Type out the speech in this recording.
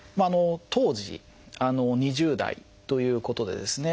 当時２０代ということでですね